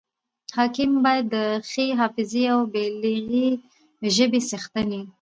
حاکم باید د ښې حافظي او بلیغي ژبي څښتن يي.